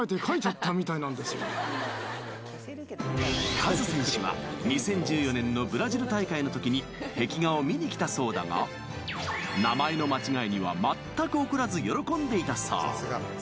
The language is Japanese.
カズ選手は２０１４年のブラジル大会のときに壁画を見にきたそうだが名前の間違いにはまったく怒らず喜んでいたそう。